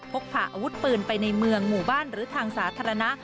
กผ่าอาวุธปืนไปในเมืองหมู่บ้านหรือทางสาธารณะ